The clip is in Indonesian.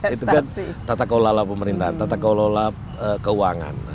itu kan tata kolala pemerintahan tata kolala keuangan